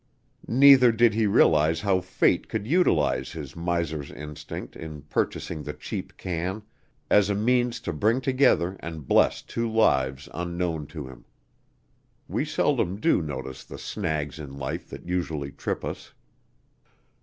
Neither did he realize how fate could utilize his miser's instinct in purchasing the cheap can as a means to bring together and bless two lives unknown to him. We seldom do notice the snags in life that usually trip us.